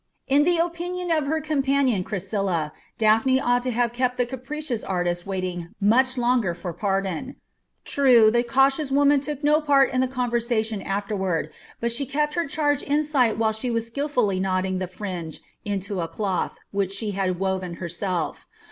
In the opinion of her companion Chrysilla, Daphne ought to have kept the capricious artist waiting much longer for pardon. True, the cautious woman took no part in the conversation afterward, but she kept her charge in sight while she was skilfully knotting the fringe into a cloth which she had woven herself.